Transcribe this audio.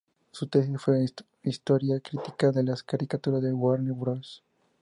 Su tesis fue una historia crítica de las caricaturas de Warner Bros.